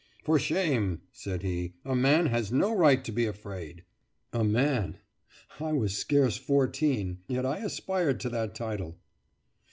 "For shame!" said he; "a man has no right to be afraid." A man! I was scarce fourteen, yet I aspired to that title.